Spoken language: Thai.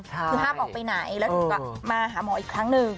คือห้ามออกไปไหนแล้วถึงก็มาหาหมออีกครั้งหนึ่ง